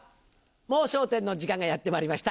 『もう笑点』の時間がやってまいりました。